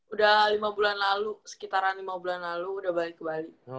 udah lima bulan lalu sekitaran lima bulan lalu udah balik ke bali